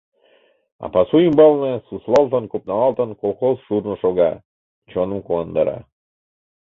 А пасу ӱмбалне, суслалтын-копналалтын, колхоз шурно шога, чоным куандара...